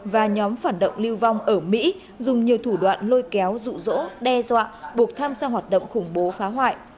và nhóm phản động lưu vong ở mỹ dùng nhiều thủ đoạn lôi kéo rụ rỗ đe dọa buộc tham gia hoạt động khủng bố phá hoại